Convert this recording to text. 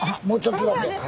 もうちょっとだけ。